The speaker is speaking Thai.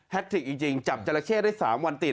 แฮททริคจริงจริงจับเจราะแข้ได้สามวันติด